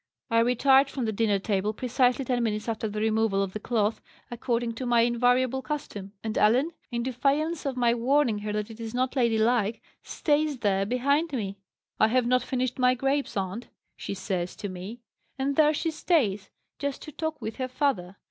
I retired from the dinner table precisely ten minutes after the removal of the cloth, according to my invariable custom; and Ellen, in defiance of my warning her that it is not lady like, stays there behind me! 'I have not finished my grapes, aunt,' she says to me. And there she stays, just to talk with her father.